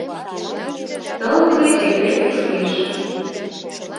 Тылзе эре кушкеш.